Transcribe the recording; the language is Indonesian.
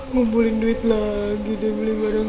ngumpulin duit lagi deh beli barang barang